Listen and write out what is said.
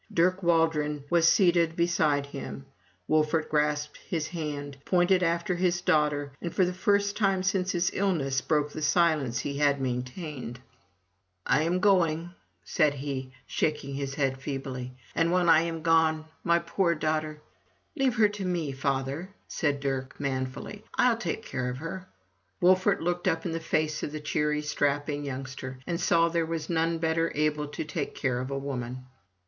Dirk Waldron was seated beside him; Wolfert grasped his hand, pointed after his daughter, and for the first time since his illness, broke the silence he had maintained. 148 FROM THE TOWER WINDOW "I am going!'' said he, shaking his head feebly, "and when I am gone — my poor daughter —/* "Leave her to me, father!" said Dirk, manfully — "Fll take care of her!*' Wolfert looked up in the face of the cheery, strapping young ster, and saw there was none better able to take care of a woman.